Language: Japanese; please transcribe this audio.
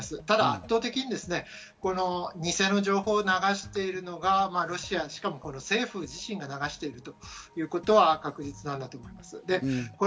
ただ、圧倒的に偽の情報を流しているのがロシア、しかも政府自身が流しているということは確実なんだと思います。